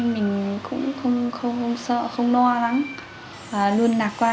mình cũng không sợ không lo lắng luôn nạc quan vui vẻ